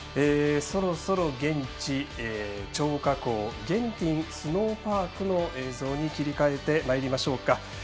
そろそろ現地、張家口ゲンティンスノーパークの映像に切り替えてまいりましょうか。